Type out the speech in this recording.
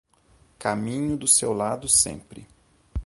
Caminho do seu lado sempre